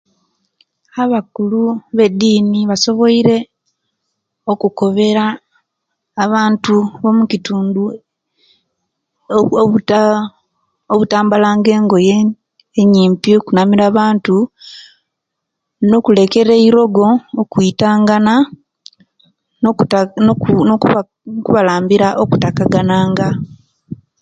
Abakulu bedini basobwoire okukobera abantu abokitundu obu obu obutayambala nga engoye enyimpi okunamira abantu nokulekera eirogo no kwitangana nokubalambira okutakagananga